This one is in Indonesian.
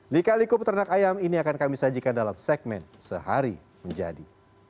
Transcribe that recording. lika liku peternak ayam ini akan kami sajikan dalam segmen sehari menjadi